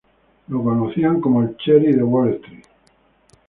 Lo conocían como "The Dean of Wall Street".